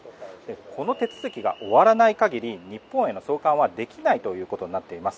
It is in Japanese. この手続きが終わらない限り日本への送還はできないということになっています。